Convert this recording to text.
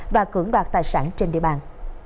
và cưỡng đoạt tài sản trên địa bàn